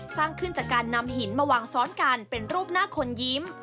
สร้างขึ้นจากการนำหินมาวางซ้อนกันเป็นรูปหน้าคนยิ้ม